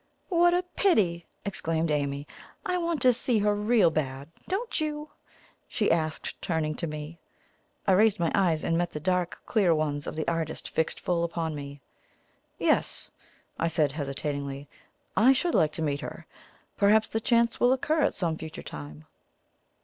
"What a pity!" exclaimed Amy. "I want to see her real bad. Don't you?" she asked, turning to me. I raised my eyes and met the dark clear ones of the artist fixed full upon me. "Yes," I said hesitatingly; "I should like to meet her. Perhaps the chance will occur at some future time."